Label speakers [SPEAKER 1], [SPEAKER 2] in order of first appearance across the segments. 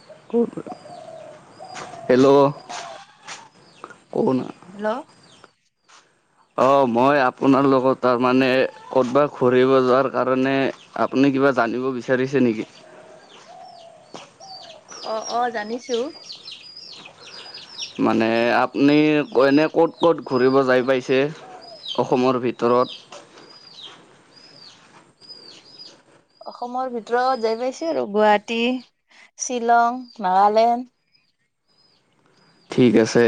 [SPEAKER 1] [unintelligible] Hello, hello অ মই আপোনাৰ লগত তাৰ মানে ক'ৰবাত ফুৰিব যোৱাৰ কাৰণে আপুনি কিবা জানিব বিচাৰিছে নেকি?
[SPEAKER 2] অ অ জানিছো।
[SPEAKER 1] মানে আপুনি এনে ক'ত ক'ত ঘূৰিব যাই পাইছে অসমৰ ভিত ভিতৰত?
[SPEAKER 2] [unintelligible] অসমৰ ভিতৰত যাই পাইছো আৰু গুৱাহাটী শ্বিলং নাগালেণ্ড।
[SPEAKER 1] ঠিক আছে।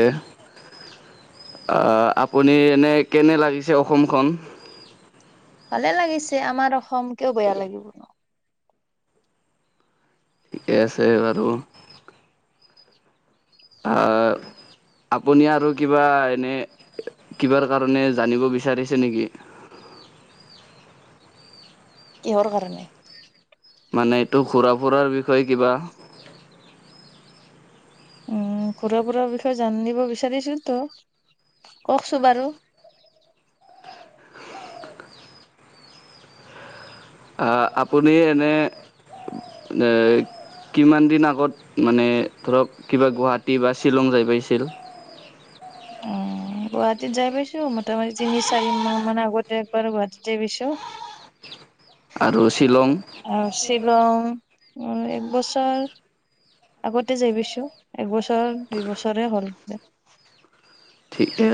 [SPEAKER 1] অ আপুনি এনে কেনে লাগিছে অসমখন?
[SPEAKER 2] ভালে লাগিছে আমাৰ অসম কিয় বেয়া লাগিব। ন
[SPEAKER 1] ঠিকে আছে বাৰু।
[SPEAKER 2] অ'।
[SPEAKER 1] আপুনি আৰু কিবা এনেই কিবাৰ কাৰণে জানিব বিচাৰিছে নেকি?
[SPEAKER 2] কিহৰ কাৰণে
[SPEAKER 1] মানে এইটো ঘুৰা ফুৰাৰ বিষয়ে কিবা।
[SPEAKER 2] উম ঘূৰা-ফুৰা বিষয়ে জানিব বিচাৰিছো টো কওকচোন বাৰু।
[SPEAKER 1] আ আপুনি এনে। কিমান দিন আগত মানে ধৰক কিবা গুৱাহাটী বা শ্বিলং যাই পাইছিল?
[SPEAKER 2] অ। গুৱাহাটীত যাই পাইছোঁ মোটামুটি তিনি চাৰি মাহ মান আগতে একবাৰ গুৱাহাটীত যায় পাইছোঁ।
[SPEAKER 1] আৰু শ্বিলং।
[SPEAKER 2] আৰু শ্বিলং উ এক বছৰ। আগতে যায় পাইছোঁ একবছৰ দুই বছৰে হ'ল।
[SPEAKER 1] ঠিকে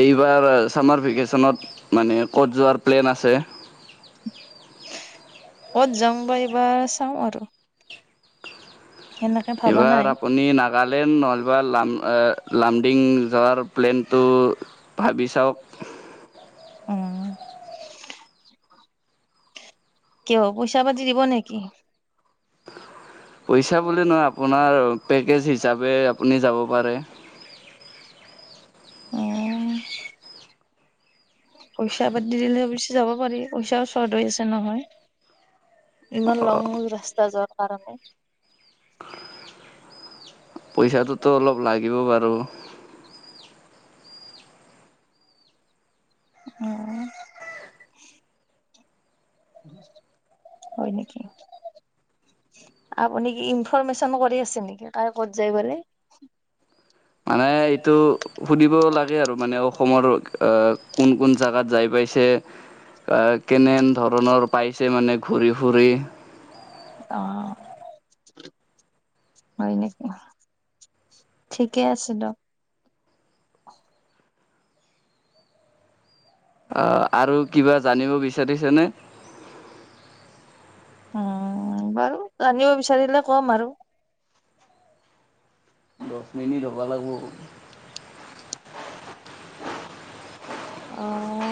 [SPEAKER 1] এইবাৰ ছামাৰ ভেকেশ্যনত মানে ক'ত যোৱাৰ প্লেন আছে?
[SPEAKER 2] অত যংগ এইবাৰ চাম আৰু। সেনেকে ভাবা নাই
[SPEAKER 1] এইবাৰ আপুনি না। নলবা লাম লামডিং যোৱাৰ প্লেনটো ভাবি চাওঁক।
[SPEAKER 2] অ। কিয় পইচা পাতি দিব নেকি?।
[SPEAKER 1] পইচা বুলি নহয় আপোনাৰ পেকেজ হিচাপে আপুনি যাব পাৰে।
[SPEAKER 2] উম
[SPEAKER 1] [inaudible]
[SPEAKER 2] পইচা পাতি দিলে বেছি যাব পাৰি পইচাও চৰ্ট হৈ আছে নহয়। ইমান লং ৰাস্তা যোৱাৰ কাৰণে।
[SPEAKER 1] পইচাটোতো অলপ লাগিব বাৰু।
[SPEAKER 2] উম। হয় নেকি? আপুনি কি ইনফৰৰ্মেশ্যনো কৰি আছে নেকি কাই ক'ত যায় বোলে?
[SPEAKER 1] মানে এইটো সুধিব লাগে আৰু মানে অসমৰ কোন কোন জাগাত যাই পাইছে? কেনে ধৰণৰ পাইছে মানে ঘূৰি ফুৰি?
[SPEAKER 2] অ। হয় নেকি ঠিকে আছে দ।
[SPEAKER 1] অ আৰু কিবা জানিব বিচাৰিছে নে?
[SPEAKER 2] উম বাৰু জানিব বিচাৰিলে কম আৰু।
[SPEAKER 1] দহ মিনিট হ'ব লাগিব।
[SPEAKER 2] অ।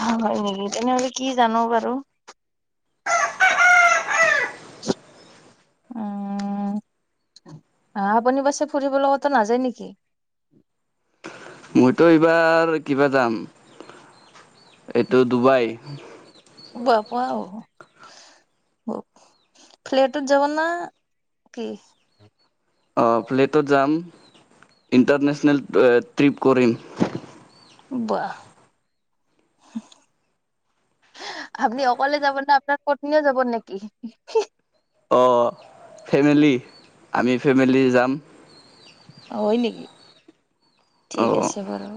[SPEAKER 2] হয় নেকি তেনেহলে কি জানো বাৰু?
[SPEAKER 1] উ।
[SPEAKER 2] আপুনি বাছে ফুৰিব কতো নাযায় নেকি?
[SPEAKER 1] মইতো এইবাৰ কিবা যাম এইটো ডুবাই।
[SPEAKER 2] বাপ আহ। উম ফ্লেটত যাব ন কি?
[SPEAKER 1] অ ফ্লেটত যাম ইণ্টাৰনেশ্যনেল অ ট্ৰিপ কৰিম।
[SPEAKER 2] বাহ [inaudible] আপুনি অকলে যাব না আপোনাৰ পত্নীও যাব নেকি?
[SPEAKER 1] অঁ ফেমিলি আমি ফেমিলি যাম।
[SPEAKER 2] হয় নেকি?
[SPEAKER 1] অ
[SPEAKER 2] ঠিক আছে বাৰু।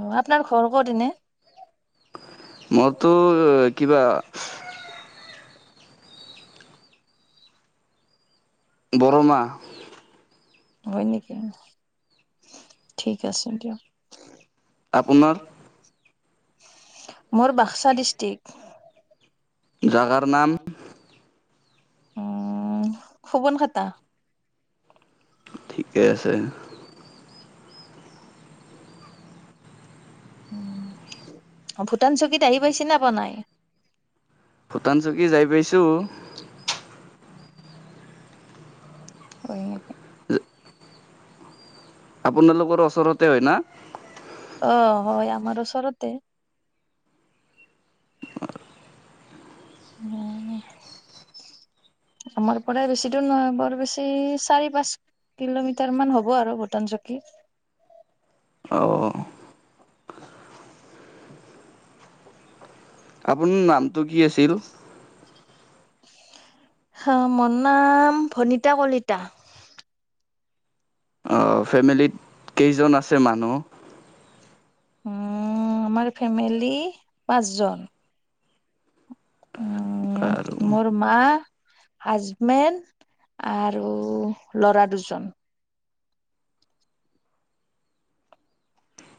[SPEAKER 2] অ আপোনাৰ ঘৰ ক'ত এনে?
[SPEAKER 1] মইতো কিবা বৰমা।
[SPEAKER 2] হয় নেকি? ঠিক আছে দিয়ক।
[SPEAKER 1] আপোনাৰ
[SPEAKER 2] [inaudible] মোৰ বাক্সা ডিষ্ট্ৰিকট।
[SPEAKER 1] জাগাৰ নাম?
[SPEAKER 2] উম খবন খাতা।
[SPEAKER 1] ঠিকে আছে।
[SPEAKER 2] ভূটান চকীত আহি পাইছে নে পোৱা নাই?
[SPEAKER 1] ভূটান চকী যাই পাইছোঁ।
[SPEAKER 2] অ [inaudible]
[SPEAKER 1] আপোনালোকৰ ওচৰতে হয় না?
[SPEAKER 2] অ হয় আমাৰ ওচৰতে। [inaudible] আমাৰ পৰা বেছি দূৰ নহয় বৰ বেছি চাৰি পাঁচ কিলোমিটাৰ মান হ'ব আৰু ভূটান চকী।
[SPEAKER 1] অঁ আপোনি নামটো কি আছিল?
[SPEAKER 2] হ মোৰ নাম ভনিতা কলিতা।
[SPEAKER 1] অঁ ফেমিলীত কেইজন আছে মানুহ?
[SPEAKER 2] অঁ আমাৰ ফেমিলি পাঁচজন। উম
[SPEAKER 1] আৰু
[SPEAKER 2] মোৰ মা হাজবেণ্ড আৰু ল'ৰা দুজন।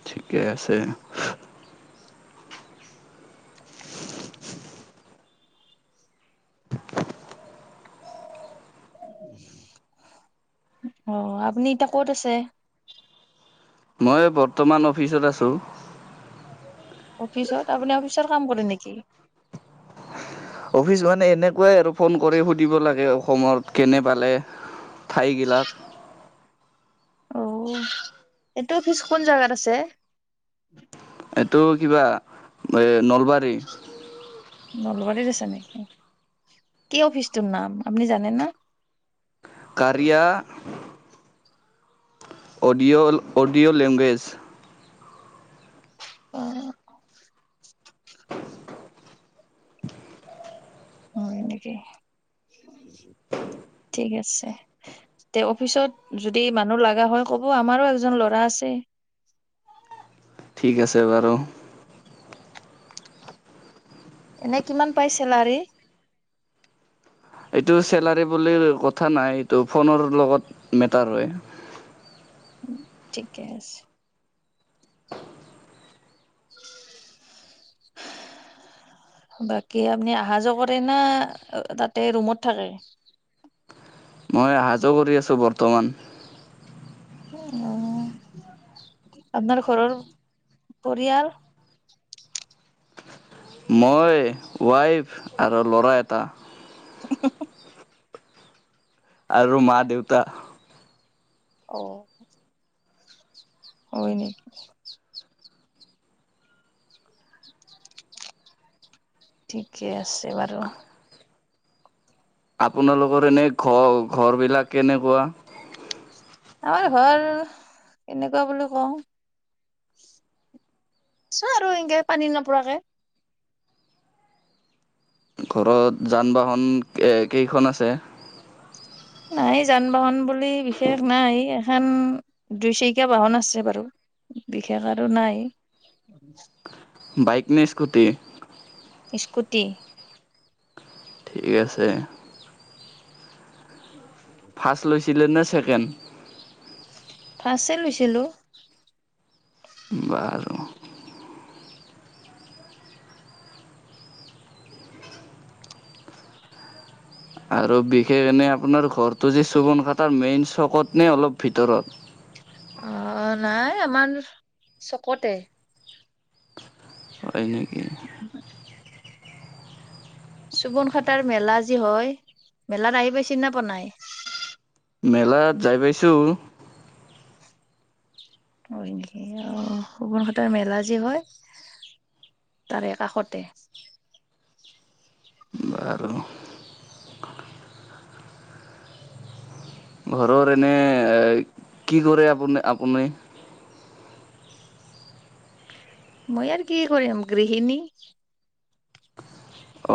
[SPEAKER 1] ঠিকে আছে।
[SPEAKER 2] [inaudible] অ আপুনি এতিয়া ক'ত আছে?
[SPEAKER 1] মই বৰ্তমান অফিচত আছোঁ।
[SPEAKER 2] অফিচত? আপুনি অফিচৰ কাম কৰে নেকি?
[SPEAKER 1] অফিচ মানে এনেকুৱাই আৰু ফোন কৰি সুধিব লাগে অসমত কেনে পালে ঠাইগিলাক।
[SPEAKER 2] অও। এইটো অফিছ কোন জাগাত আছে?
[SPEAKER 1] এইটো কিবা এ নলবাৰী।
[SPEAKER 2] নলবাৰীত আছে নেকি? কি অফিচটোৰ নাম আপুনি জানে না?
[SPEAKER 1] কাৰয়া অডিঅ' অডিঅ' লেংগুৱেজ।
[SPEAKER 2] অ [inaudible] হয় নেকি? ঠিক আছে। তে অফিচত যদি মানুহ লগা হয় ক'ব আমাৰো এজন ল'ৰা আছে।
[SPEAKER 1] ঠিক আছে বাৰু।
[SPEAKER 2] এনে কিমান পাই চেলাৰী?
[SPEAKER 1] এইটো চেলাৰী বুলি কথা নাই, এইটো ফোনৰ লগত মেটাৰ হয়।
[SPEAKER 2] [inaudible] ঠিকে আছে।
[SPEAKER 1] [inaudible]
[SPEAKER 2] বাকী আপুনি অহা যোৱা কৰে না তাতে ৰুমত থাকে।
[SPEAKER 1] মই অহা যোৱা কৰি আছো বৰ্তমান।
[SPEAKER 2] উ আপোনাৰ ঘৰৰ পৰিয়াল।
[SPEAKER 1] মই ৱাইফ আৰু ল'ৰা এটা,
[SPEAKER 2] [unintelligible]
[SPEAKER 1] আৰু মা দেউতা,
[SPEAKER 2] অ হয় নেকি। ঠিকে আছে বাৰু
[SPEAKER 1] আপোনালোকৰ এনেই ঘৰ ঘৰবিলাক কেনেকুৱা।
[SPEAKER 2] আমাৰ ঘৰ কেনেকুৱা বুলি কওঁ, ছো আৰু এনেকে পানী নপৰাকে।
[SPEAKER 1] ঘৰত যান বাহন কেইখন আছে।
[SPEAKER 2] নাই যান বাহন বুলি বিশেষ নাই এখন, দুই চাৰকীয়া বাহন আছে বাৰু বিশেষ আৰু নাই।
[SPEAKER 1] বাইক নে স্কুটি,
[SPEAKER 2] স্কুটি,
[SPEAKER 1] ঠিক আছে।
[SPEAKER 2] [unintelligible]
[SPEAKER 1] ফাৰ্ষ্ট লৈছিলে নে ছেকেণ্ড,
[SPEAKER 2] ফাৰ্ষ্ট চে লৈছিলোঁ।
[SPEAKER 1] বাৰু আৰু বিশেষ এনে আপোনাৰ ঘৰটো যে চুবন কাটাৰ মেইন চকত নে অলপ ভিতৰত।
[SPEAKER 2] অ নাই আমাৰ চকতে,
[SPEAKER 1] হয় নেকি
[SPEAKER 2] [unintelligible] চুবন খাটাৰ মেলা যি হয় মেলাত আহি পাই চিনা পনাই।
[SPEAKER 1] মেলাত যাই পাইছোঁ।
[SPEAKER 2] ক সগুন ঘাটৰ মেলা যি হয়। তাৰে কাষতে।
[SPEAKER 1] আৰু ঘৰৰ এনে কি কৰে আপ আপুনি।
[SPEAKER 2] মই আৰু কি কৰিম গৃহিণী,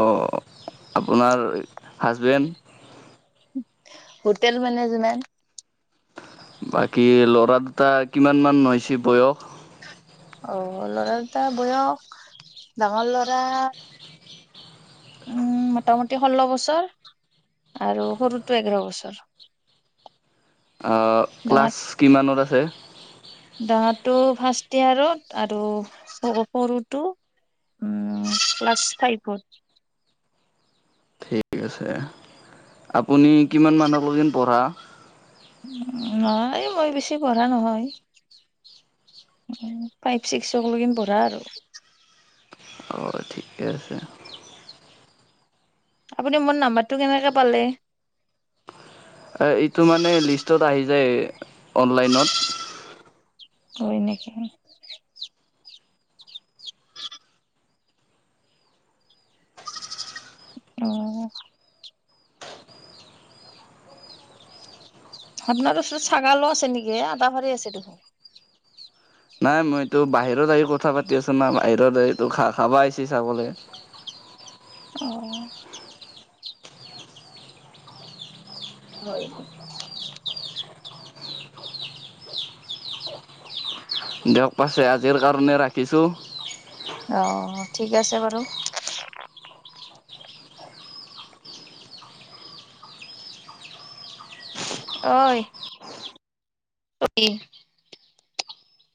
[SPEAKER 1] অঁ আপোনাৰ হাজবেণ্ড,
[SPEAKER 2] হোটেল মেনেজমেণ্ট,
[SPEAKER 1] বাকী ল'ৰা দুটা কিমান মান হৈছে বয়স।
[SPEAKER 2] অ ল'ৰা দুটা বয়স ডাঙৰ ল'ৰা, উম মোটামুটি ষোল্ল বছৰ আৰু সৰুটো এঘাৰ বছৰ।
[SPEAKER 1] আহ
[SPEAKER 2] হয়।
[SPEAKER 1] ক্লাছ কিমানত আছে।
[SPEAKER 2] ডাঙটো ফাৰ্ষ্ট ইয়াৰত আৰু সৰুতটো উম ক্লাছ ফাইবত।
[SPEAKER 1] ঠিক আছে আপুনি কিমান মানলৈ যেন পঢ়া,
[SPEAKER 2] নাই মই বেছি পঢ়া নহয়। ফাইভ ছিক্সক লেকে পঢ়া আৰু
[SPEAKER 1] অ ঠিকে আছে।
[SPEAKER 2] আপুনি মোৰ নাম্বাৰটো কেনেকে পালে।
[SPEAKER 1] এইটো মানে লিষ্টত আহি যায় অনলাইনত।
[SPEAKER 2] হয় নেকি? অ। আপোনাৰ ওপৰত ছাগালো আছে নেকি এ আটা ভাৰী আছে দেখোন?
[SPEAKER 1] নাই মইতো বাহিৰত আহি কথা পাতি আছো না বাহিৰত আহ তো খা খাবা আহিছি চাবলৈ।
[SPEAKER 2] অ। হয়।
[SPEAKER 1] দিয়ক পাছে আজিৰ কাৰণে ৰাখিছোঁ।
[SPEAKER 2] অ ঠিক আছে বাৰু। [inaudible] অই, অই